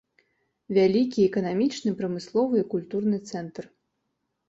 Вялікі эканамічны, прамысловы і культурны цэнтр.